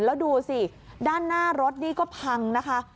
แล้วดูสิด้านหน้ารถนี่ก็พังนะคะ